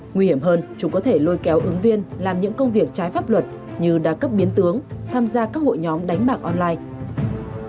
nguy hiểm hơn chúng có thể lôi kéo ứng viên làm những công việc trái pháp luật như đa cấp biến tướng tham gia các hội nhóm đánh bạc online